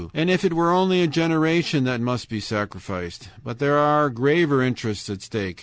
"And if it were only a generation that must be sacrificed! But there are graver interests at stake.